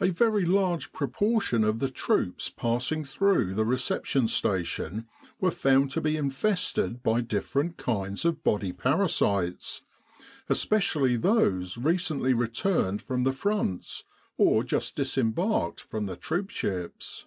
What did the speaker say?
A very large proportion of the troops passing through the Reception Station were found to be infested by different kinds of body parasites, especially those recently returned from the Fronts, or just disembarked from the troopships.